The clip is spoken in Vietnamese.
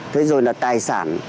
thế rồi là tài sản